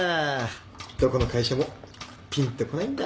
どこの会社もぴんとこないんだ。